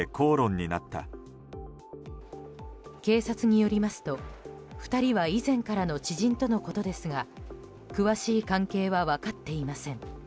警察によりますと、２人は以前からの知人とのことですが詳しい関係は分かっていません。